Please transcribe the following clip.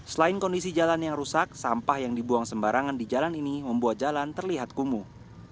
selain kondisi jalan yang rusak sampah yang dibuang sembarangan di jalan ini membuat jalan terlihat kumuh